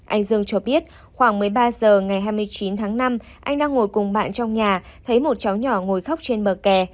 anh dương cho biết khoảng một mươi ba h ngày hai mươi chín tháng năm anh đang ngồi cùng bạn trong nhà thấy một cháu nhỏ ngồi khóc trên bờ kè